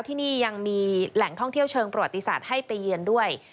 ที่นี่ยังมีแหล่งท่องเที่ยวเชิงประวัติศาสตร์ให้ไปเยือนด้วย